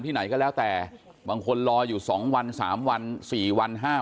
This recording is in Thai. ที่ไหนก็แล้วแต่บางคนรออยู่สองวันสามวันสี่วันห้า